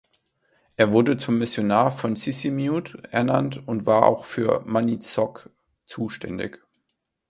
Er wurde zum Missionar von Sisimiut ernannt und war auch für Maniitsoq zuständig.